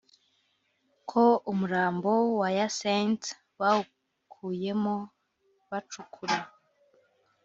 ko umurambo wa Hyacinthe bawukuyemo bacukura